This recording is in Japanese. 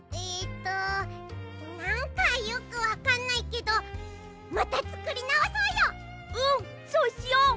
えっとなんかよくわかんないけどまたつくりなおそうよ！